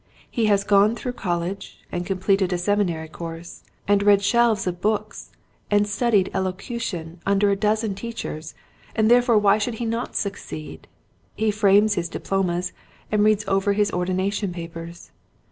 He has gone through college, and completed a Seminary course, and read shelves of books and studied elocution under a dozen teachers, and therefore why should he not succeed ? He frames his diplomas and reads over his ordination papers.